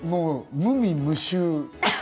無味無臭。